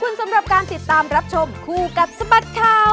สำหรับการติดตามรับชมคู่กับสบัดข่าว